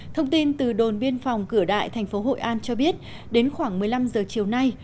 thông tin từ đồn biên phòng cửa đại thành phố hội an cho biết đến khoảng một mươi năm giờ chiều nay